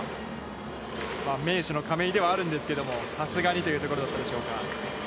名手の亀井ではあるんですけどもさすがに、というところだったでしょうか。